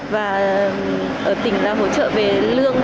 và ở tỉnh là hỗ trợ về lương